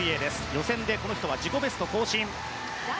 予選でこの人は自己ベスト更新。